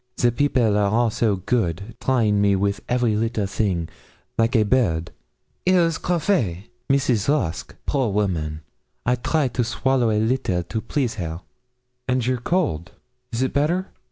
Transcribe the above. The people are all so good, trying me with every little thing, like a bird; here is café Mrs. Rusk a, poor woman, I try to swallow a little to please her.' 'And your cold, is it better?'